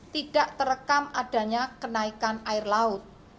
tidak terekam adanya kenaikan air laut